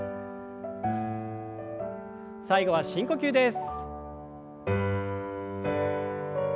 最後は深呼吸です。